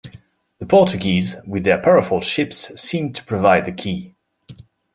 The Portuguese, with their powerful ships, seemed to provide the key.